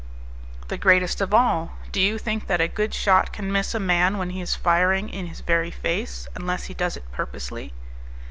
"The greatest of all. Do you think that a good shot can miss a man when he is firing in his very face, unless he does it purposely?"